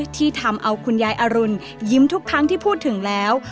ที่ทำเอาคุณยายอรุณยิ้มทุกครั้งที่พูดถึงแล้ว